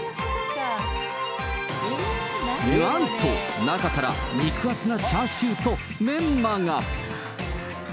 なんと、中から肉厚なチャーシューとメンマが。